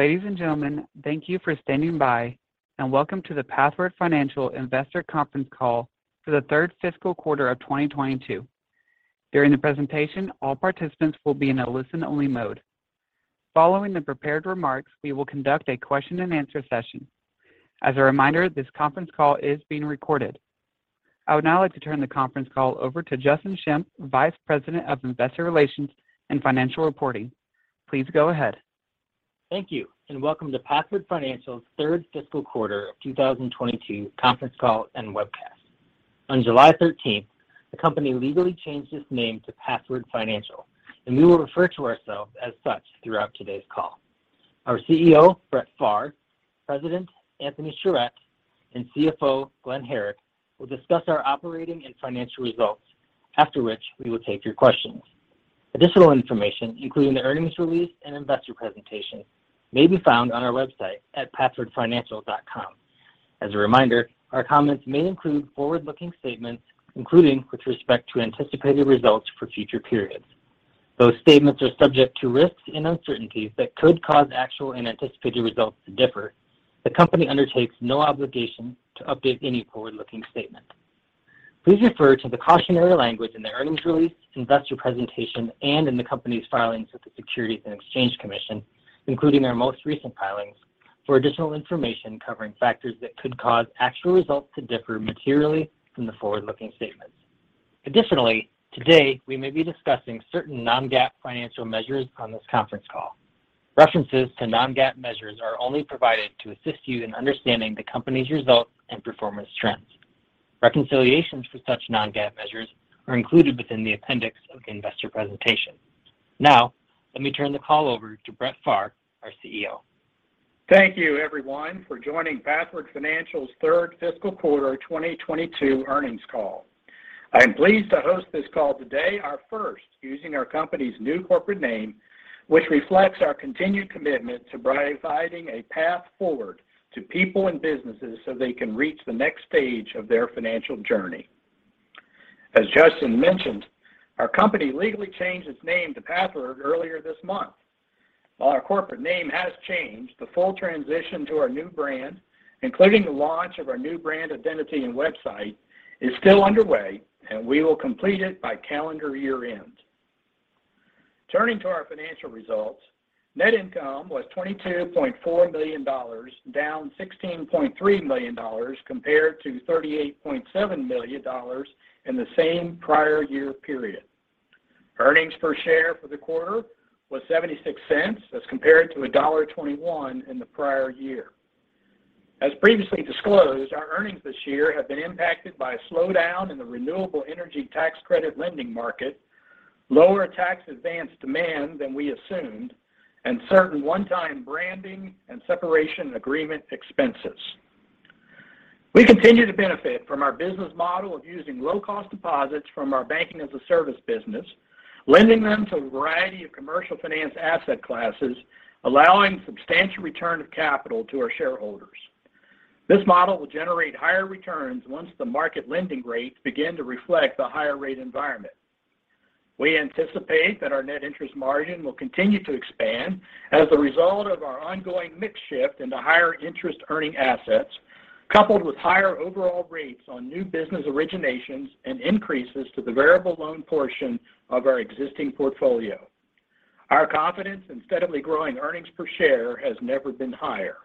Ladies and gentlemen, thank you for standing by, and welcome to the Pathward Financial Investor Conference Call for the Third Fiscal Quarter of 2022. During the presentation, all participants will be in a listen-only mode. Following the prepared remarks, we will conduct a question-and-answer session. As a reminder, this conference call is being recorded. I would now like to turn the conference call over to Justin Schempp, Vice President of Investor Relations and Financial Reporting. Please go ahead. Thank you, and welcome to Pathward Financial's Third Fiscal Quarter of 2022 Conference Call and Webcast. On July 13, the company legally changed its name to Pathward Financial, and we will refer to ourselves as such throughout today's call. Our CEO, Brett Pharr, President Anthony Sharett, and CFO Glen Herrick will discuss our operating and financial results. After which, we will take your questions. Additional information, including the earnings release and investor presentation, may be found on our website at pathwardfinancial.com. As a reminder, our comments may include forward-looking statements, including with respect to anticipated results for future periods. Those statements are subject to risks and uncertainties that could cause actual and anticipated results to differ. The company undertakes no obligation to update any forward-looking statement. Please refer to the cautionary language in the earnings release, investor presentation, and in the company's filings with the Securities and Exchange Commission, including our most recent filings, for additional information covering factors that could cause actual results to differ materially from the forward-looking statements. Additionally, today, we may be discussing certain non-GAAP financial measures on this conference call. References to non-GAAP measures are only provided to assist you in understanding the company's results and performance trends. Reconciliations for such non-GAAP measures are included within the appendix of the investor presentation. Now, let me turn the call over to Brett Pharr, our CEO. Thank you, everyone, for joining Pathward Financial's Third Fiscal Quarter 2022 Earnings Call. I am pleased to host this call today, our first using our company's new corporate name, which reflects our continued commitment to providing a path forward to people and businesses so they can reach the next stage of their financial journey. As Justin mentioned, our company legally changed its name to Pathward earlier this month. While our corporate name has changed, the full transition to our new brand, including the launch of our new brand identity and website, is still underway, and we will complete it by calendar year-end. Turning to our financial results, net income was $22.4 million, down $16.3 million compared to $38.7 million in the same prior year period. Earnings per share for the quarter was $0.76 as compared to $1.21 in the prior year. As previously disclosed, our earnings this year have been impacted by a slowdown in the Renewable Energy Tax Credit lending market, lower tax advance demand than we assumed, and certain one-time branding and separation agreement expenses. We continue to benefit from our business model of using low-cost deposits from our Banking as a Service business, lending them to a variety of Commercial Finance asset classes, allowing substantial return of capital to our shareholders. This model will generate higher returns once the market lending rates begin to reflect the higher rate environment. We anticipate that our net interest margin will continue to expand as a result of our ongoing mix shift into higher interest earning assets, coupled with higher overall rates on new business originations and increases to the variable loan portion of our existing portfolio. Our confidence in steadily growing earnings per share has never been higher.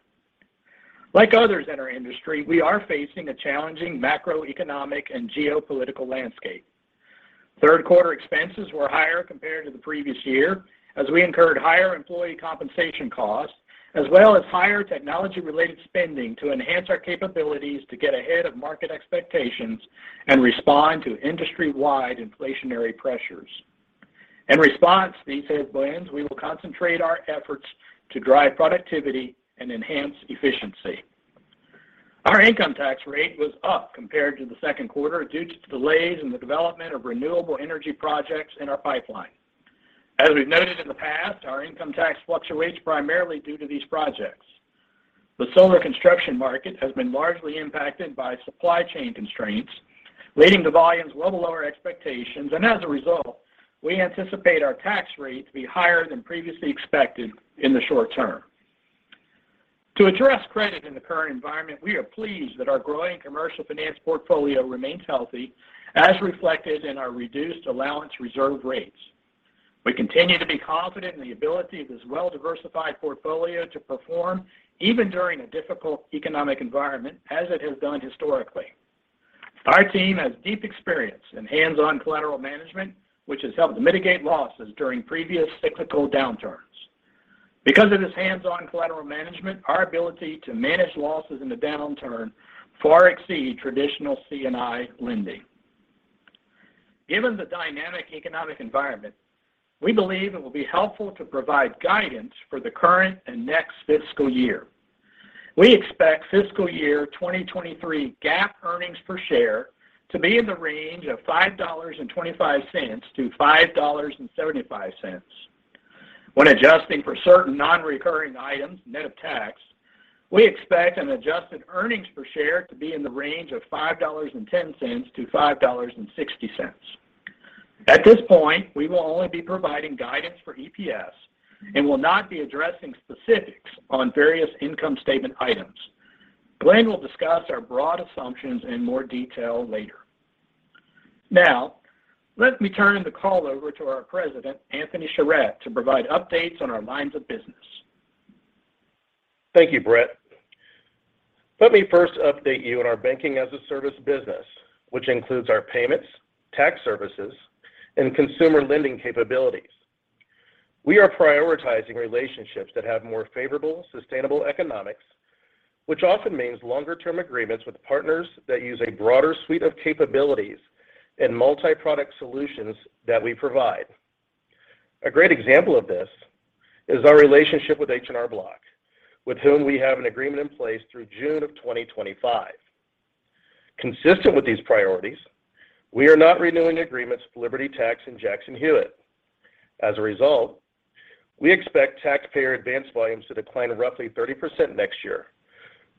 Like others in our industry, we are facing a challenging macroeconomic and geopolitical landscape. Third quarter expenses were higher compared to the previous year as we incurred higher employee compensation costs as well as higher technology-related spending to enhance our capabilities to get ahead of market expectations and respond to industry-wide inflationary pressures. In response to these headwinds, we will concentrate our efforts to drive productivity and enhance efficiency. Our income tax rate was up compared to the second quarter due to delays in the development of renewable energy projects in our pipeline. As we've noted in the past, our income tax fluctuates primarily due to these projects. The solar construction market has been largely impacted by supply chain constraints, leading to volumes well below our expectations, and as a result, we anticipate our tax rate to be higher than previously expected in the short term. To address credit in the current environment, we are pleased that our growing Commercial Finance portfolio remains healthy as reflected in our reduced allowance reserve rates. We continue to be confident in the ability of this well-diversified portfolio to perform even during a difficult economic environment as it has done historically. Our team has deep experience in hands-on collateral management, which has helped mitigate losses during previous cyclical downturns. Because of this hands-on collateral management, our ability to manage losses in the downturn far exceed traditional C&I lending. Given the dynamic economic environment, we believe it will be helpful to provide guidance for the current and next fiscal year. We expect fiscal year 2023 GAAP earnings per share to be in the range of $5.25-$5.75. When adjusting for certain non-recurring items, net of tax, we expect an adjusted earnings per share to be in the range of $5.10-$5.60. At this point, we will only be providing guidance for EPS and will not be addressing specifics on various income statement items. Glen will discuss our broad assumptions in more detail later. Now, let me turn the call over to our President, Anthony Sharett, to provide updates on our lines of business. Thank you, Brett. Let me first update you on our Banking as a Service business, which includes our payments, tax services, and consumer lending capabilities. We are prioritizing relationships that have more favorable, sustainable economics, which often means longer-term agreements with partners that use a broader suite of capabilities and multi-product solutions that we provide. A great example of this is our relationship with H&R Block, with whom we have an agreement in place through June of 2025. Consistent with these priorities, we are not renewing agreements with Liberty Tax and Jackson Hewitt. As a result, we expect taxpayer advance volumes to decline roughly 30% next year,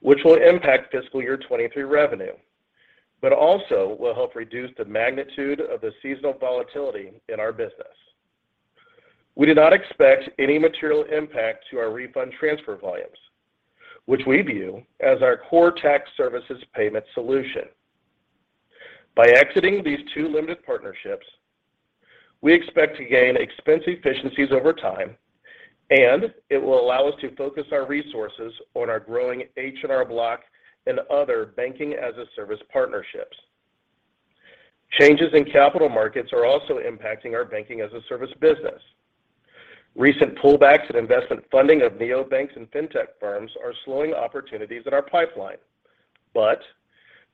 which will impact fiscal year 2023 revenue, but also will help reduce the magnitude of the seasonal volatility in our business. We do not expect any material impact to our refund transfer volumes, which we view as our core tax services payment solution. By exiting these two limited partnerships, we expect to gain expense efficiencies over time and it will allow us to focus our resources on our growing H&R Block and other Banking as a Service partnerships. Changes in capital markets are also impacting our Banking as a Service business. Recent pullbacks in investment funding of neobanks and fintech firms are slowing opportunities in our pipeline.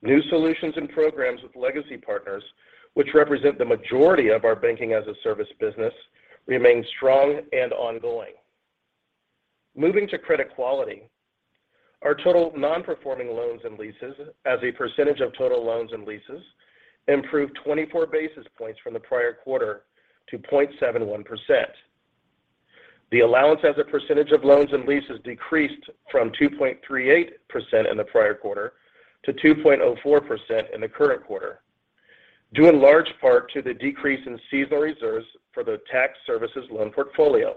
New solutions and programs with legacy partners, which represent the majority of our Banking as a Service business, remain strong and ongoing. Moving to credit quality, our total non-performing loans and leases as a percentage of total loans and leases improved 24 basis points from the prior quarter to 0.71%. The allowance as a percentage of loans and leases decreased from 2.38% in the prior quarter to 2.04% in the current quarter due in large part to the decrease in seasonal reserves for the tax services loan portfolio.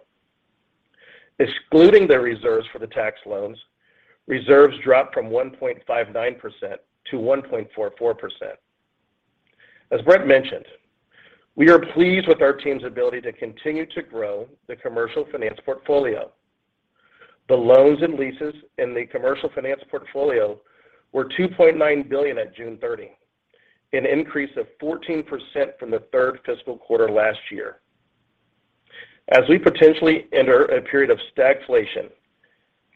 Excluding the reserves for the tax loans, reserves dropped from 1.59%-1.44%. As Brett mentioned, we are pleased with our team's ability to continue to grow the Commercial Finance portfolio. The loans and leases in the Commercial Finance portfolio were $2.9 billion at June 30, an increase of 14% from the third fiscal quarter last year. As we potentially enter a period of stagflation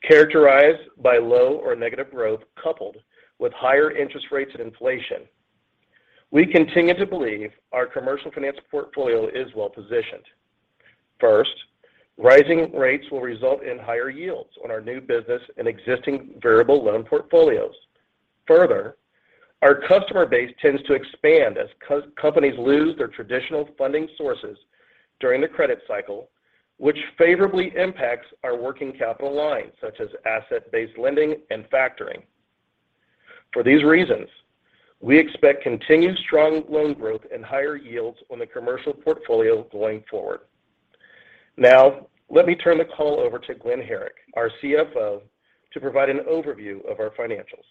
characterized by low or negative growth coupled with higher interest rates and inflation, we continue to believe our Commercial Finance portfolio is well-positioned. First, rising rates will result in higher yields on our new business and existing variable loan portfolios. Further, our customer base tends to expand as companies lose their traditional funding sources during the credit cycle, which favorably impacts our working capital lines, such as asset-based lending and factoring. For these reasons, we expect continued strong loan growth and higher yields on the commercial portfolio going forward. Now, let me turn the call over to Glen Herrick, our CFO, to provide an overview of our financials.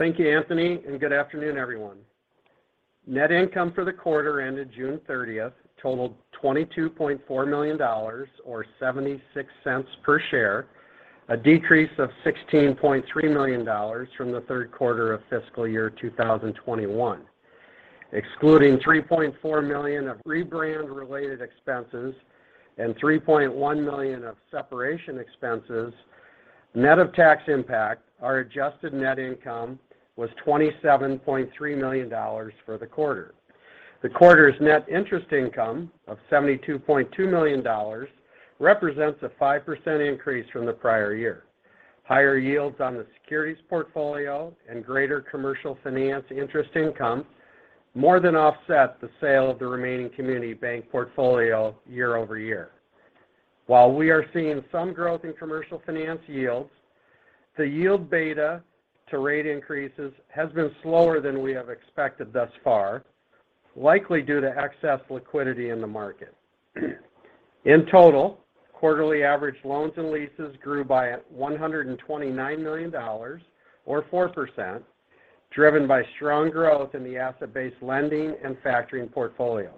Thank you, Anthony, and good afternoon, everyone. Net income for the quarter ended June thirtieth totaled $22.4 million or $0.76 per share, a decrease of $16.3 million from the third quarter of fiscal year 2021. Excluding $3.4 million of rebrand-related expenses and $3.1 million of separation expenses, net of tax impact, our adjusted net income was $27.3 million for the quarter. The quarter's net interest income of $72.2 million represents a 5% increase from the prior year. Higher yields on the securities portfolio and greater Commercial Finance interest income more than offset the sale of the remaining community bank portfolio year-over-year. While we are seeing some growth in Commercial Finance yields, the yield beta to rate increases has been slower than we have expected thus far, likely due to excess liquidity in the market. In total, quarterly average loans and leases grew by $129 million or 4%, driven by strong growth in the asset-based lending and factoring portfolios.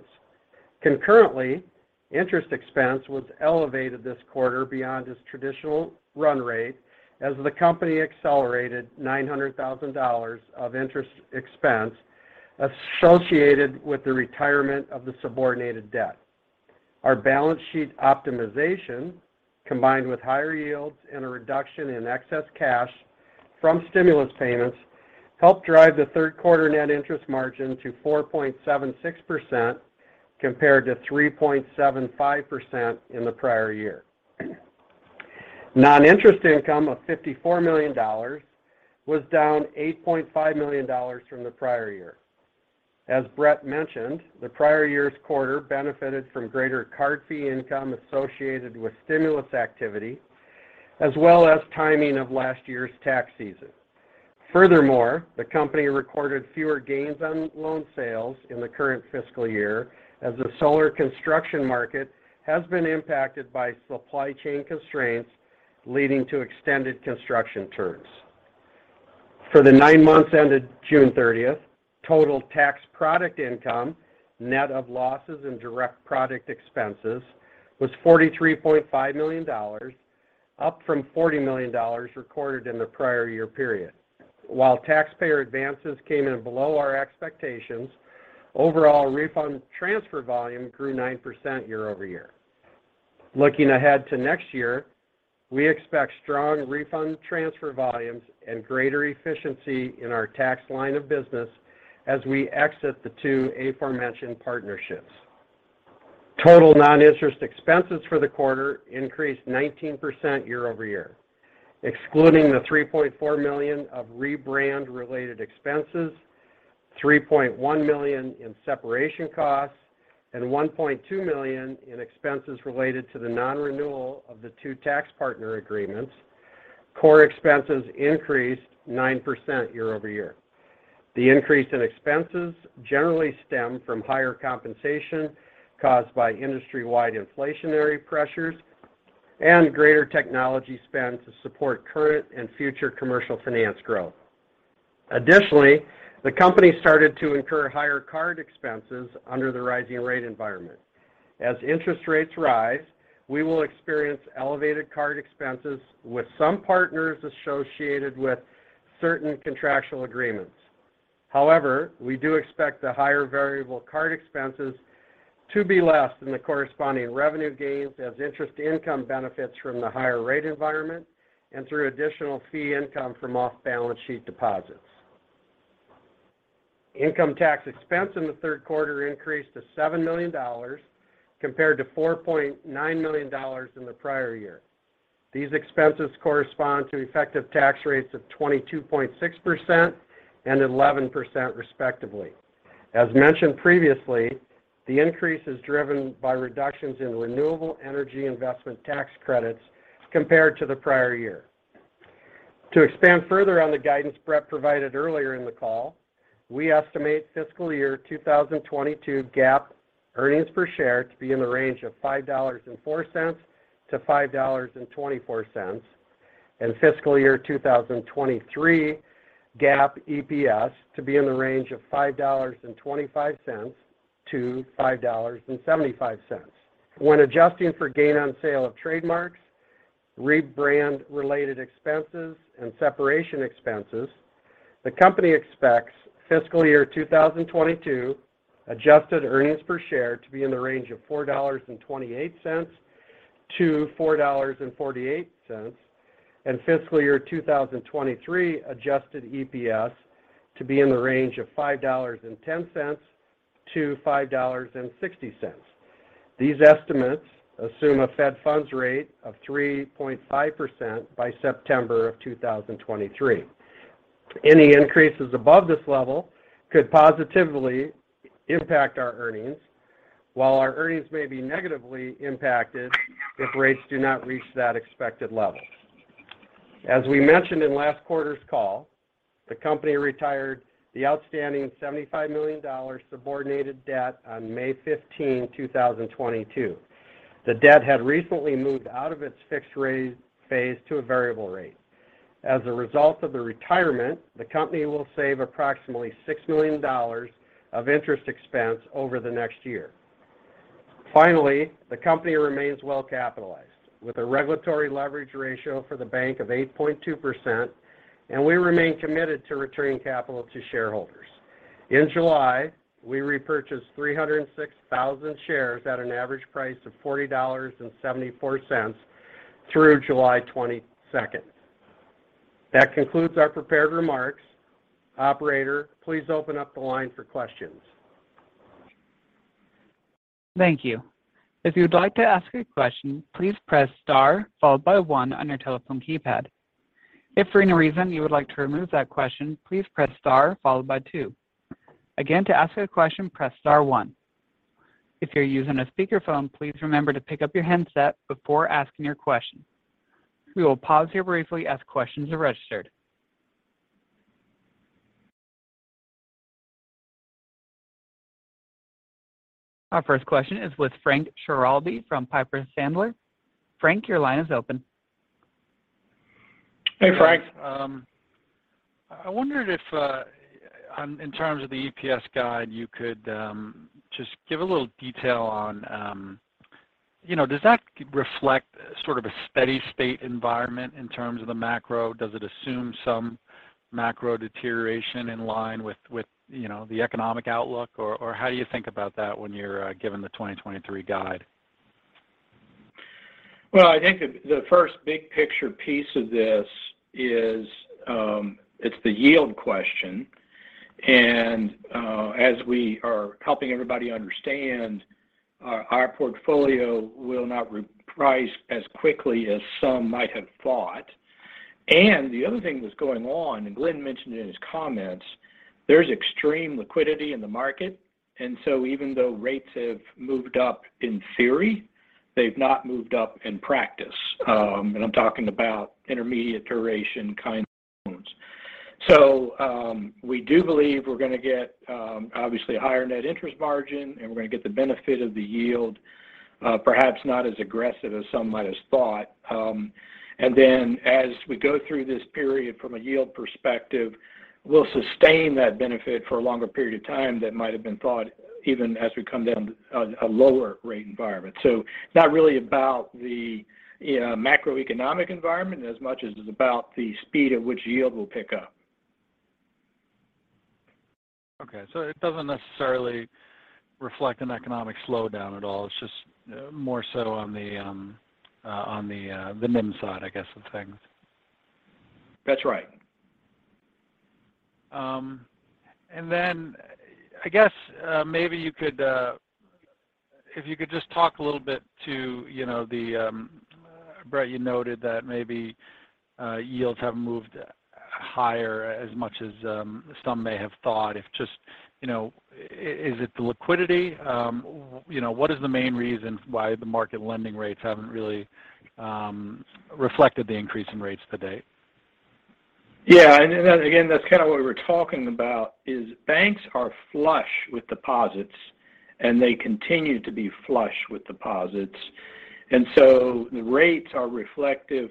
Concurrently, interest expense was elevated this quarter beyond its traditional run rate as the company accelerated $900,000 of interest expense associated with the retirement of the subordinated debt. Our balance sheet optimization, combined with higher yields and a reduction in excess cash from stimulus payments, helped drive the third quarter net interest margin to 4.76% compared to 3.75% in the prior year. Non-interest income of $54 million was down $8.5 million from the prior year. As Brett mentioned, the prior year's quarter benefited from greater card fee income associated with stimulus activity. As well as timing of last year's tax season. Furthermore, the company recorded fewer gains on loan sales in the current fiscal year as the solar construction market has been impacted by supply chain constraints leading to extended construction terms. For the nine months ended June 30, total tax product income, net of losses and direct product expenses, was $43.5 million, up from $40 million recorded in the prior year period. While taxpayer advances came in below our expectations, overall refund transfer volume grew 9% year-over-year. Looking ahead to next year, we expect strong refund transfer volumes and greater efficiency in our tax line of business as we exit the two aforementioned partnerships. Total non-interest expenses for the quarter increased 19% year-over-year. Excluding the $3.4 million of rebrand-related expenses, $3.1 million in separation costs, and $1.2 million in expenses related to the non-renewal of the two tax partner agreements, core expenses increased 9% year-over-year. The increase in expenses generally stemmed from higher compensation caused by industry-wide inflationary pressures and greater technology spend to support current and future Commercial Finance growth. Additionally, the company started to incur higher card expenses under the rising rate environment. As interest rates rise, we will experience elevated card expenses with some partners associated with certain contractual agreements. However, we do expect the higher variable card expenses to be less than the corresponding revenue gains as interest income benefits from the higher rate environment and through additional fee income from off-balance sheet deposits. Income tax expense in the third quarter increased to $7 million, compared to $4.9 million in the prior year. These expenses correspond to effective tax rates of 22.6% and 11% respectively. As mentioned previously, the increase is driven by reductions in Renewable Energy Investment Tax Credits compared to the prior year. To expand further on the guidance Brett provided earlier in the call, we estimate fiscal year 2022 GAAP earnings per share to be in the range of $5.04-$5.24, and fiscal year 2023 GAAP EPS to be in the range of $5.25-$5.75. When adjusting for gain on sale of trademarks, rebrand-related expenses, and separation expenses, the company expects fiscal year 2022 adjusted earnings per share to be in the range of $4.28-$4.48, and fiscal year 2023 adjusted EPS to be in the range of $5.10-$5.60. These estimates assume a federal funds rate of 3.5% by September 2023. Any increases above this level could positively impact our earnings, while our earnings may be negatively impacted if rates do not reach that expected level. As we mentioned in last quarter's call, the company retired the outstanding $75 million subordinated debt on May 15, 2022. The debt had recently moved out of its fixed rate phase to a variable rate. As a result of the retirement, the company will save approximately $6 million of interest expense over the next year. Finally, the company remains well capitalized with a regulatory leverage ratio for the bank of 8.2%, and we remain committed to returning capital to shareholders. In July, we repurchased 306,000 shares at an average price of $40.74 through July 22nd. That concludes our prepared remarks. Operator, please open up the line for questions. Thank you. If you would like to ask a question, please press star followed by one on your telephone keypad. If for any reason you would like to remove that question, please press star followed by two. Again, to ask a question, press star one. If you're using a speakerphone, please remember to pick up your handset before asking your question. We will pause here briefly as questions are registered. Our first question is with Frank Schiraldi from Piper Sandler. Frank, your line is open. Hey, Frank. I wondered if, in terms of the EPS guide, you could just give a little detail on, you know, does that reflect sort of a steady state environment in terms of the macro? Does it assume some macro deterioration in line with, you know, the economic outlook? Or how do you think about that when you're given the 2023 guide? Well, I think the first big picture piece of this is. It's the yield question. As we are helping everybody understand our portfolio will not reprice as quickly as some might have thought. The other thing that's going on, and Glen mentioned it in his comments, there's extreme liquidity in the market. Even though rates have moved up in theory, they've not moved up in practice. I'm talking about intermediate duration kind loans. We do believe we're gonna get obviously a higher net interest margin, and we're gonna get the benefit of the yield, perhaps not as aggressive as some might have thought. Then as we go through this period from a yield perspective, we'll sustain that benefit for a longer period of time than might have been thought even as we come down a lower rate environment. Not really about the, you know, macroeconomic environment as much as it's about the speed at which yield will pick up. It doesn't necessarily reflect an economic slowdown at all. It's just more so on the NIM side, I guess, of things. That's right. I guess, maybe you could, if you could just talk a little bit to, you know, the Brett Pharr. You noted that maybe yields have moved higher as much as some may have thought. Is it just the liquidity? You know, what is the main reason why the market lending rates haven't really reflected the increase in rates to date? Yeah. Then again, that's kind of what we were talking about is banks are flush with deposits and they continue to be flush with deposits. The rates are reflective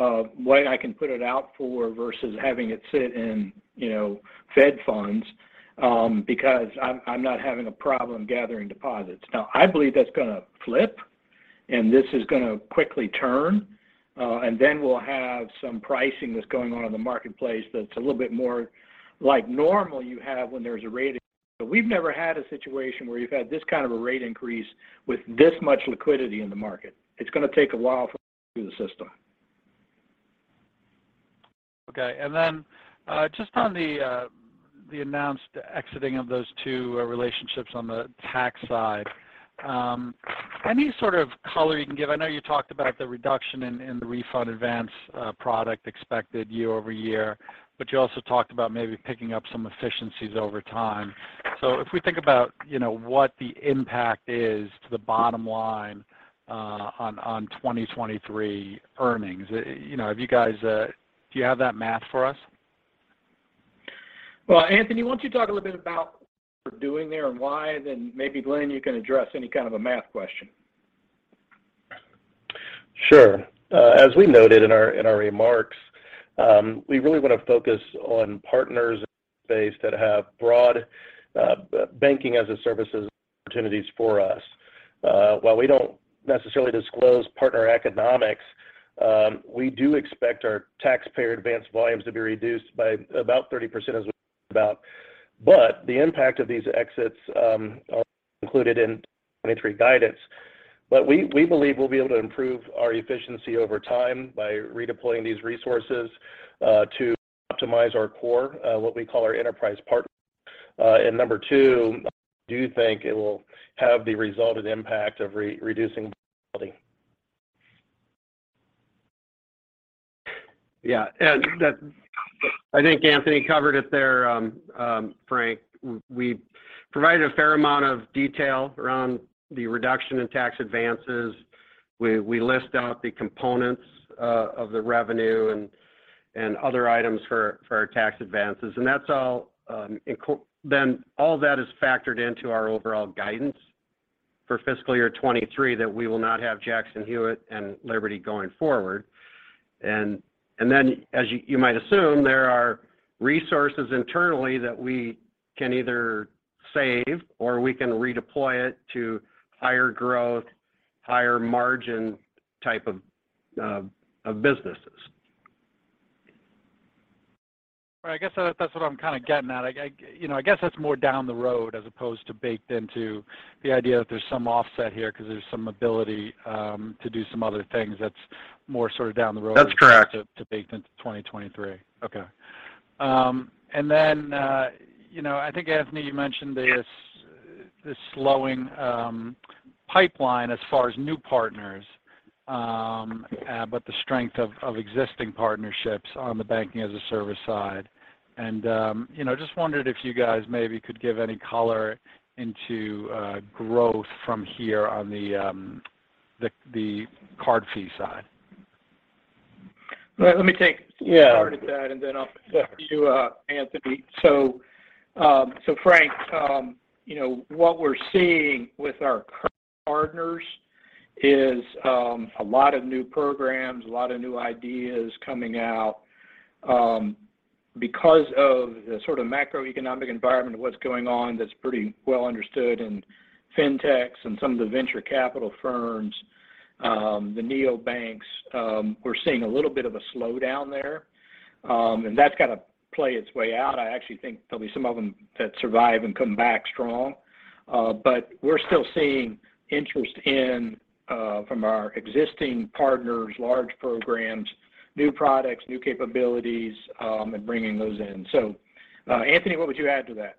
of what I can put it out for versus having it sit in, you know, Fed funds, because I'm not having a problem gathering deposits. Now, I believe that's gonna flip, and this is gonna quickly turn, and then we'll have some pricing that's going on in the marketplace that's a little bit more like normal you have when there's a rate. We've never had a situation where you've had this kind of a rate increase with this much liquidity in the market. It's gonna take a while for the system. Okay. Just on the announced exiting of those two relationships on the tax side. Any sort of color you can give. I know you talked about the reduction in the refund advance product expected year-over-year, but you also talked about maybe picking up some efficiencies over time. If we think about, you know, what the impact is to the bottom line on 2023 earnings, you know, do you have that math for us? Well, Anthony, why don't you talk a little bit about what we're doing there and why. Then maybe Glen, you can address any kind of a math question. Sure. As we noted in our remarks, we really wanna focus on partner base that have broad Banking as a Service opportunities for us. While we don't necessarily disclose partner economics, we do expect our taxpayer advance volumes to be reduced by about 30%. The impact of these exits are included in 2023 guidance. We believe we'll be able to improve our efficiency over time by redeploying these resources to optimize our core, what we call our enterprise partner. Number two, do think it will have the result and impact of re-reducing quality. Yeah. I think Anthony covered it there, Frank. We provided a fair amount of detail around the reduction in tax advances. We list out the components of the revenue and other items for our tax advances. That's all. Then all that is factored into our overall guidance for fiscal year 2023 that we will not have Jackson Hewitt and Liberty going forward. Then as you might assume, there are resources internally that we can either save or we can redeploy it to higher growth, higher margin type of businesses. I guess that's what I'm kind of getting at. You know, I guess that's more down the road as opposed to baked into the idea that there's some offset here because there's some ability to do some other things that's more sort of down the road to bake into 2023. I think Anthony you mentioned this slowing pipeline as far as new partners, but the strength of existing partnerships on the Banking as a Service side. Just wondered if you guys maybe could give any color into growth from here on the card fee side. Let me take part of that and then I'll pass it to you, Anthony. So, Frank, you know, what we're seeing with our partners is a lot of new programs, a lot of new ideas coming out because of the sort of macroeconomic environment of what's going on that's pretty well understood. Fintechs and some of the venture capital firms, the neobanks, we're seeing a little bit of a slowdown there. That's got to play its way out. I actually think there'll be some of them that survive and come back strong. We're still seeing interest in from our existing partners, large programs, new products, new capabilities, and bringing those in. Anthony, what would you add to that?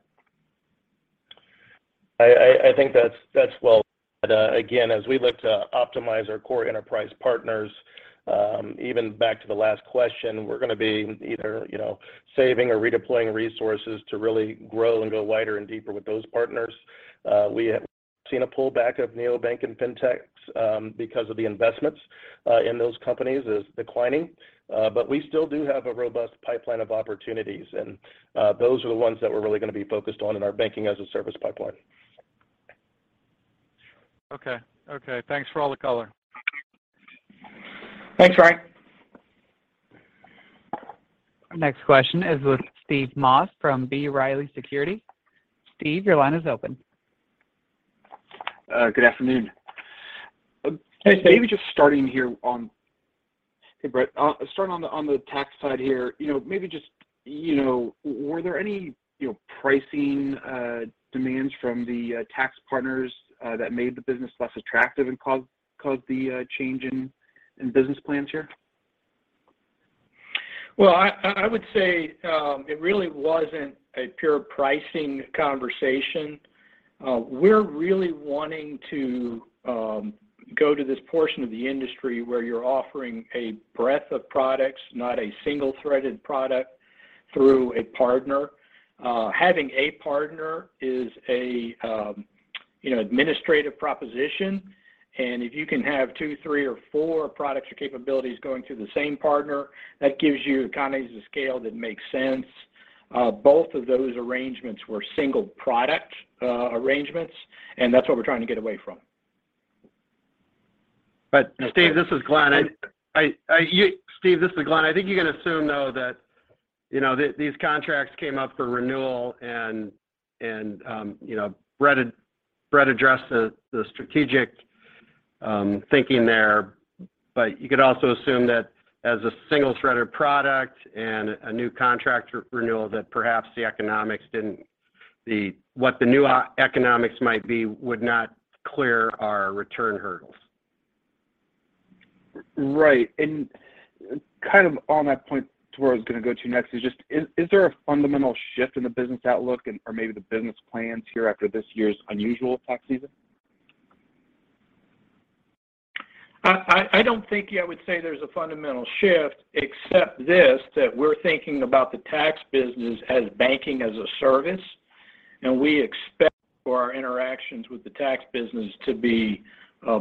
I think that's well. Again, as we look to optimize our core enterprise partners, even back to the last question, we're gonna be either, you know, saving or redeploying resources to really grow and go wider and deeper with those partners. We have seen a pullback of neobanks and fintechs, because of the investments in those companies is declining. We still do have a robust pipeline of opportunities, and those are the ones that we're really gonna be focused on in our Banking as a Service pipeline. Okay. Thanks for all the color. Thanks, Ryan. Our next question is with Steve Moss from B. Riley Securities. Steve, your line is open. Good afternoon. Hey, Steve. Hey, Brett. Starting on the tax side here. You know, maybe just, you know, were there any, you know, pricing demands from the tax partners that made the business less attractive and caused the change in business plans here? Well, I would say it really wasn't a pure pricing conversation. We're really wanting to go to this portion of the industry where you're offering a breadth of products, not a single-threaded product through a partner. Having a partner is a you know, administrative proposition, and if you can have two, three or four products or capabilities going through the same partner, that gives you economies of scale that makes sense. Both of those arrangements were single product arrangements, and that's what we're trying to get away from. Steve, this is Glen. I think you can assume though that, you know, these contracts came up for renewal and, you know, Brett addressed the strategic thinking there. You could also assume that as a single-threaded product and a new contract renewal, that perhaps what the new economics might be would not clear our return hurdles. Right. Kind of on that point to where I was gonna go to next is just, is there a fundamental shift in the business outlook and, or maybe the business plans here after this year's unusual tax season? I don't think I would say there's a fundamental shift except this, that we're thinking about the tax business as Banking as a Service, and we expect for our interactions with the tax business to be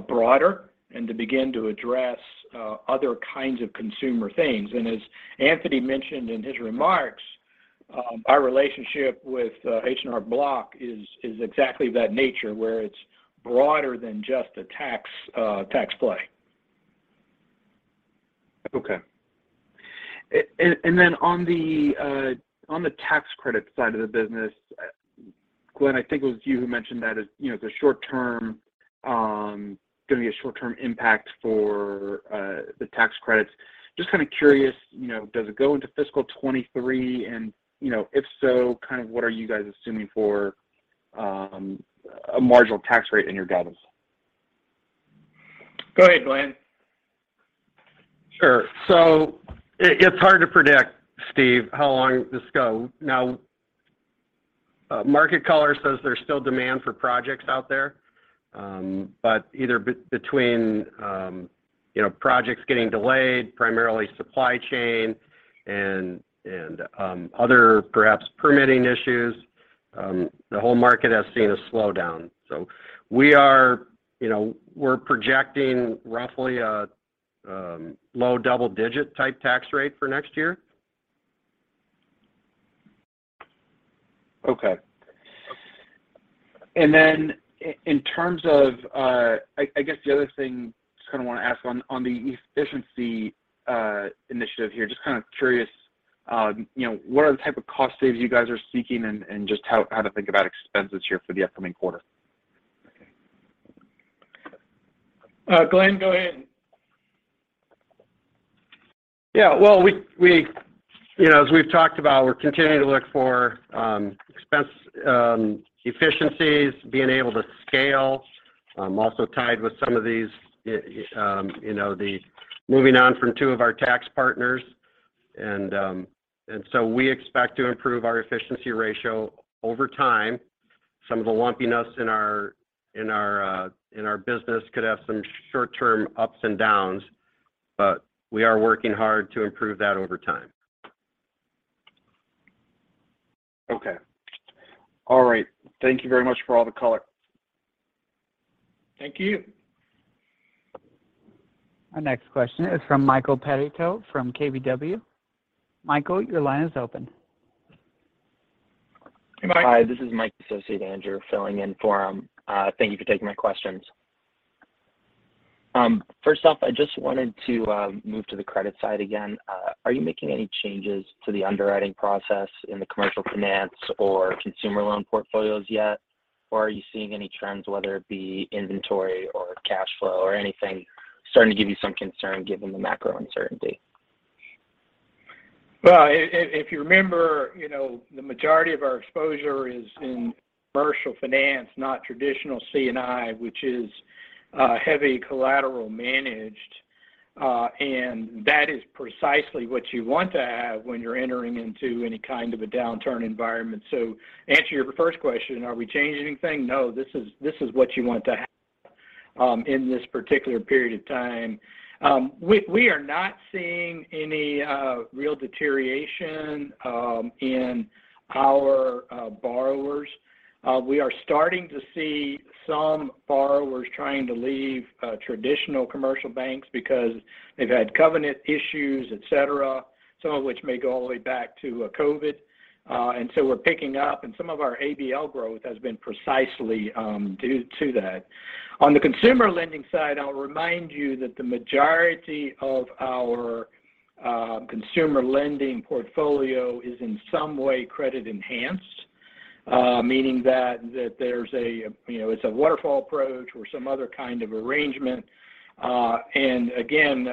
broader and to begin to address other kinds of consumer things. As Anthony mentioned in his remarks, our relationship with H&R Block is exactly that nature, where it's broader than just a tax play. Okay. Then on the tax credit side of the business, Glen, I think it was you who mentioned that is you know the short term gonna be a short-term impact for the tax credits. Just kind of curious, you know, does it go into fiscal 2023? You know, if so, kind of what are you guys assuming for a marginal tax rate in your guidance? Go ahead, Glen. Sure. It's hard to predict, Steve, how long this goes. Now, market color says there's still demand for projects out there. Between, you know, projects getting delayed, primarily supply chain and other perhaps permitting issues, the whole market has seen a slowdown. We're projecting roughly a low double-digit type tax rate for next year. Okay. In terms of, I guess the other thing just kind of want to ask on the efficiency initiative here, just kind of curious, you know, what are the type of cost saves you guys are seeking and just how to think about expenses here for the upcoming quarter? Glen, go ahead. Well, as we've talked about, we're continuing to look for expense efficiencies, being able to scale. Also tied with some of these, the moving on from two of our tax partners and so we expect to improve our efficiency ratio over time. Some of the lumpiness in our business could have some short-term ups and downs, but we are working hard to improve that over time. Okay. All right. Thank you very much for all the color. Thank you. Our next question is from Michael Perito from KBW. Michael, your line is open. Hey, Mike. Hi, this is Mike's associate, Andrew, filling in for him. Thank you for taking my questions. First off, I just wanted to move to the credit side again. Are you making any changes to the underwriting process in the Commercial Finance or consumer loan portfolios yet? Or are you seeing any trends, whether it be inventory or cash flow or anything starting to give you some concern given the macro uncertainty? Well, if you remember, you know, the majority of our exposure is in Commercial Finance, not traditional C&I, which is heavy collateral managed. That is precisely what you want to have when you're entering into any kind of a downturn environment. To answer your first question, are we changing anything? No. This is what you want to have in this particular period of time. We are not seeing any real deterioration in our borrowers. We are starting to see some borrowers trying to leave traditional commercial banks because they've had covenant issues, et cetera, some of which may go all the way back to COVID. We're picking up, and some of our ABL growth has been precisely due to that. On the consumer lending side, I'll remind you that the majority of our consumer lending portfolio is in some way credit-enhanced, meaning that there's. You know, it's a waterfall approach or some other kind of arrangement. Again,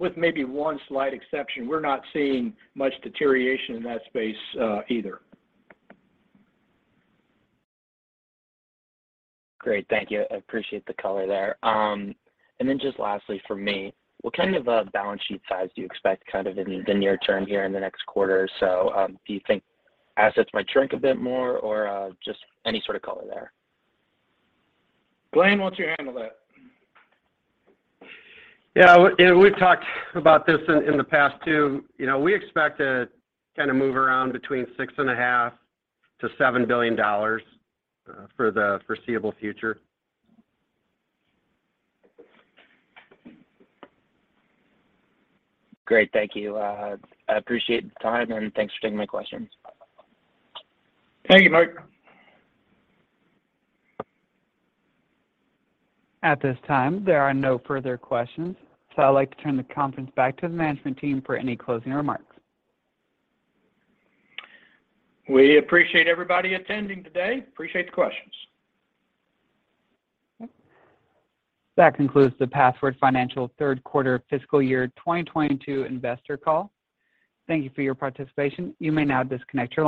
with maybe one slight exception, we're not seeing much deterioration in that space, either. Great. Thank you. I appreciate the color there. Just lastly from me, what kind of a balance sheet size do you expect kind of in the near term here in the next quarter or so? Do you think assets might shrink a bit more or, just any color there? Glenn, why don't you handle that? We've talked about this in the past too. We expect to move around between $6.5 billion to $7 billion for the foreseeable future. Great. Thank you. I appreciate the time, and thanks for taking my questions. Thank you, Mike. At this time, there are no further questions, so I'd like to turn the conference back to the management team for any closing remarks. We appreciate everybody attending today. Appreciate the questions. That concludes the Pathward Financial Third Quarter Fiscal Year 2022 Investor Call. Thank you for your participation. You may now disconnect your line.